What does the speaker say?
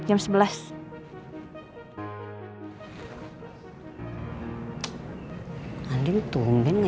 amir kasihan parkurnya